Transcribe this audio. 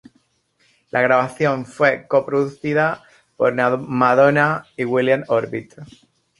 La grabación fue co-producida por Madonna y William Orbit.